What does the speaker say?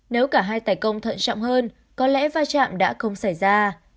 nếu cả hai tài công thận trọng hơn có lẽ vai trạm đã không xảy ra